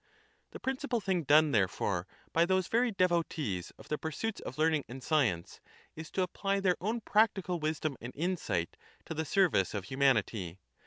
The principal thing done, thereforej by those very devotees of the pursuits of learnirig and science is to apply their own practical wisdom and insight to the service of humanity.